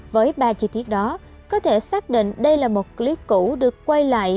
với ba chi tiết đó có thể xác định đây là một clip cũ được quay lại